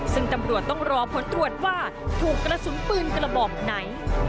ซึ่งตำรวจต้องรอผลตรวจว่าถูกกระสุนปืนกระบอกไหน